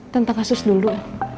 tentang kasus dulu